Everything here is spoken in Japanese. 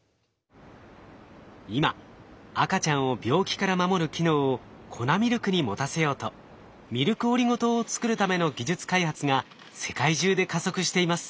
今赤ちゃんを病気から守る機能を粉ミルクに持たせようとミルクオリゴ糖を作るための技術開発が世界中で加速しています。